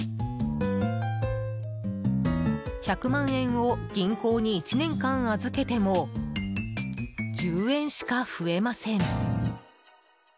１００万円を銀行に１年間預けても１０円しか増えません。